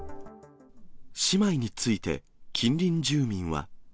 姉妹について、近隣住民は。